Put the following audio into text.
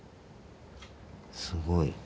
すごい。